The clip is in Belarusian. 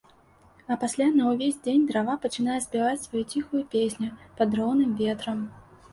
А пасля на ўвесь дзень трава пачынае спяваць сваю ціхую песню пад роўным ветрам.